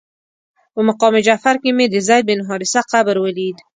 په مقام جعفر کې مې د زید بن حارثه قبر ولید.